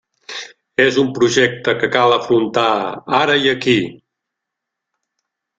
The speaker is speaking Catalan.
És un projecte que cal afrontar ara i aquí.